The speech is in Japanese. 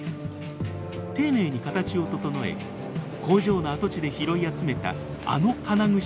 丁寧に形を整え工場の跡地で拾い集めたあの金串を刺していく。